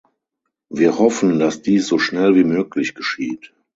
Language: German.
Wir hoffen, dass dies so schnell wie möglich geschieht.